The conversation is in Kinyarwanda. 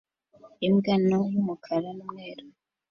Imbwa nto y'umukara n'umweru